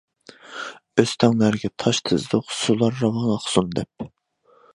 ئۆستەڭلەرگە تاش تىزدۇق، سۇلار راۋان ئاقسۇن دەپ.